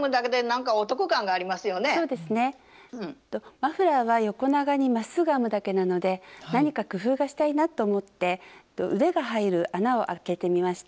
マフラーは横長にまっすぐ編むだけなので何か工夫がしたいなと思って腕が入る穴をあけてみました。